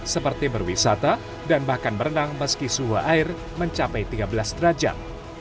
seperti berwisata dan bahkan berenang meski suhu air mencapai tiga belas derajat